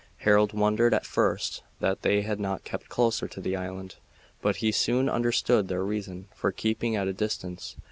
Harold wondered at first that they had not kept closer to the island, but he soon understood their reason for keeping at a distance.